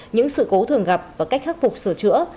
những sự cố thường gặp và cách khắc phục sửa chữa